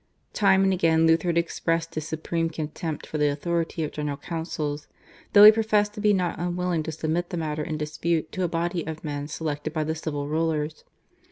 Time and again Luther had expressed his supreme contempt for the authority of General Councils, though he professed to be not unwilling to submit the matters in dispute to a body of men selected by the civil rulers.